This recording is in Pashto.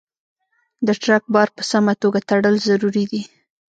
د ټرک بار په سمه توګه تړل ضروري دي.